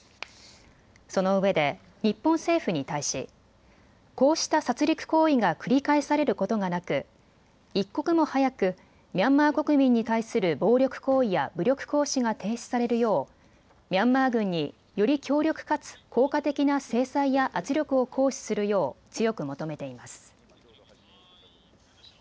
そのうえで日本政府に対しこうした殺りく行為が繰り返されることがなく一刻も早くミャンマー国民に対する暴力行為や武力行使が停止されるようミャンマー軍に、より強力かつ効果的な制裁や圧力を行使するよう強く求めています。